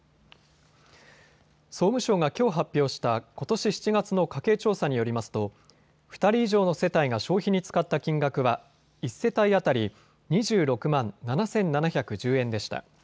総務省がきょう発表したことし７月の家計調査によりますと２人以上の世帯が消費に使った金額は１世帯当たり２６万７７１０円でした。